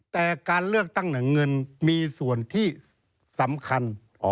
แต่การเลือกตั้งหนังเงินมีส่วนที่สำคัญ